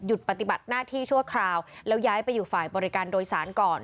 ปฏิบัติหน้าที่ชั่วคราวแล้วย้ายไปอยู่ฝ่ายบริการโดยสารก่อน